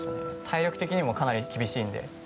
体力的にもかなり厳しいので。